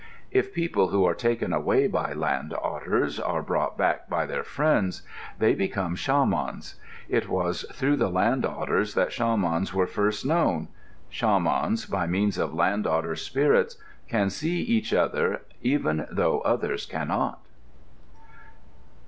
If people who are taken away by Land Otters are brought back by their friends, they become shamans. It was through the Land Otters that shamans were first known. Shamans, by means of Land Otter spirits, can see each other, even though others cannot.